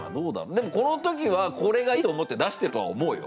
でもこの時はこれがいいと思って出してるとは思うよ。